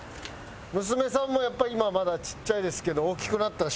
娘さんもやっぱ今はまだちっちゃいですけど。